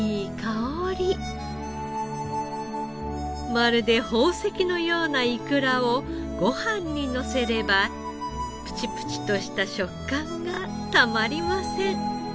まるで宝石のようなイクラをご飯にのせればプチプチとした食感がたまりません。